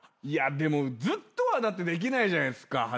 いやでもずっとはだってできないじゃないですか